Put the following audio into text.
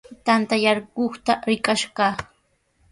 Taytaa yarquqta rikash kaa.